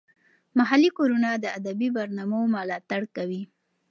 محلي کورونه د ادبي برنامو ملاتړ کوي.